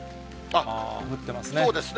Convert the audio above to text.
降ってますね。